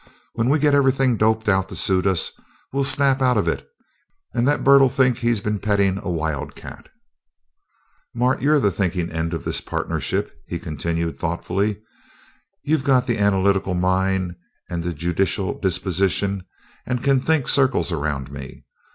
When we get everything doped out to suit us, we'll snap out of it and that bird'll think he's been petting a wildcat!" "Mart, you're the thinking end of this partnership," he continued, thoughtfully. "You've got the analytical mind and the judicial disposition, and can think circles around me.